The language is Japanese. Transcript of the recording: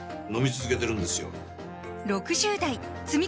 飲み続けてるんですよ